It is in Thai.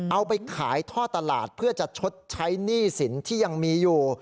เอาไปขายท่อตลาดเพื่อจะชดใช้หนี้สินที่ยังมีอยู่